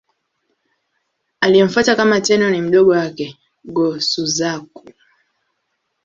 Aliyemfuata kama Tenno ni mdogo wake, Go-Suzaku.